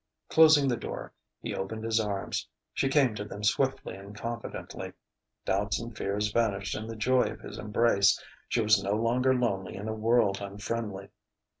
Closing the door, he opened his arms. She came to them swiftly and confidently. Doubts and fears vanished in the joy of his embrace; she was no longer lonely in a world unfriendly.